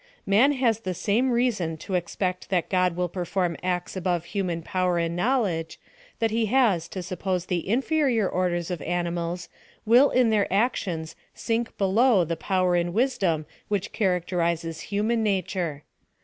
Man has the same reason to expect that God will perform acts above human power and knowledge^ that he lias to suppose the infericr orders of animals will in their nations, sink below the n^iwer and 60 PHILOSOPHY OP THE wisdom which characterizes human nature.